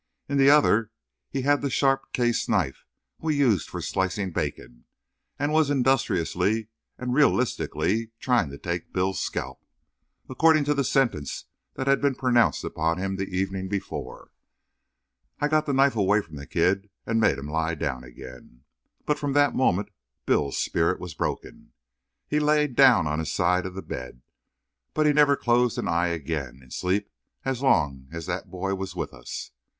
In the other he had the sharp case knife we used for slicing bacon; and he was industriously and realistically trying to take Bill's scalp, according to the sentence that had been pronounced upon him the evening before. I got the knife away from the kid and made him lie down again. But, from that moment, Bill's spirit was broken. He laid down on his side of the bed, but he never closed an eye again in sleep as long as that boy was with us.